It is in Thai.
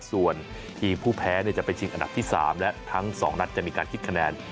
ส่วนทีมผู้แพ้จะไปชิงอันดับที่๓และทั้ง๒นัดจะมีการคิดคะแนน